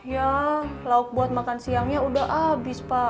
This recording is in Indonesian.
ya lauk buat makan siangnya udah habis pak